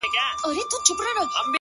• له دې مالت او له دې ښاره شړم ,